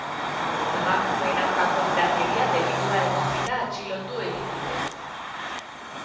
Emakumeen aurkako indarkeria delitua egotzita atxilotu egin dute.